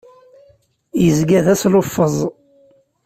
Yezga d asluffeẓ.